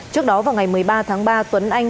trước đó vào ngày một mươi ba tháng ba tuấn anh